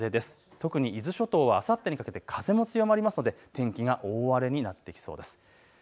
特に伊豆諸島はあさってにかけて風も強まりますので天気が大荒れになってきそうです。